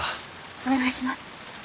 お願いします。